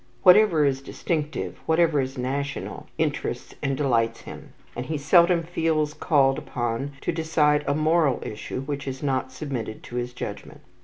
Whatever is distinctive, whatever is national, interests and delights him; and he seldom feels called upon to decide a moral issue which is not submitted to his judgment.